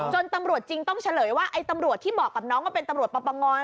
ตำรวจจริงต้องเฉลยว่าไอ้ตำรวจที่บอกกับน้องว่าเป็นตำรวจปปง